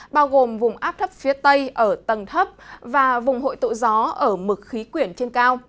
bao gồm vùng áp thấp phía tây ở tầng thấp và vùng hội tụ gió ở mực khí quyển trên cao